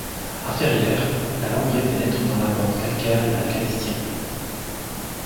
A Ferrières, la Lembrée pénètre dans la bande calcaire de la Calestienne.